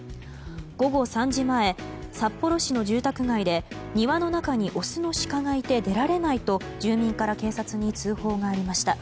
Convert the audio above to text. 午後３時前、札幌市の住宅街で庭の中にオスのシカがいて出られないと住民から警察に通報がありました。